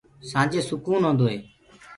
سآنجي سُڪون هوندو هي۔